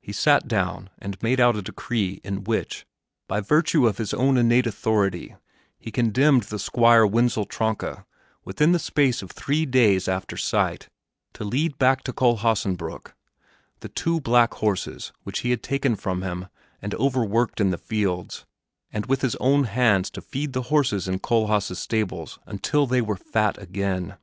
He sat down and made out a decree in which, by virtue of his own innate authority, he condemned the Squire Wenzel Tronka within the space of three days after sight to lead back to Kohlhaasenbrück the two black horses which he had taken from him and over worked in the fields, and with his own hands to feed the horses in Kohlhaas' stables until they were fat again.